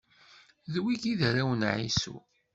D wigi i d arraw n Ɛisu.